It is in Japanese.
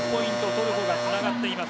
トルコがつながっています。